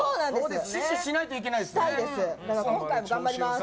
死守しないといけないですね。